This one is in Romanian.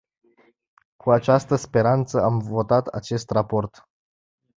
Cu această speranță am votat acest raport.